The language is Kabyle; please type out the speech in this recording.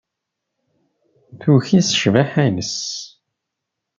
Tuki s ccbaḥa-nnes.